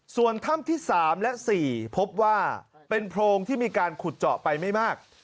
ส่วนถ้ำที่๓และ๔พบว่าเป็นโพรงที่มีการขุดเจาะไปไม่มาก